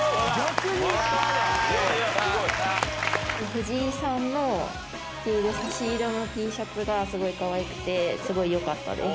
藤井さんの着ている差し色のＴシャツがすごいかわいくてすごい良かったです。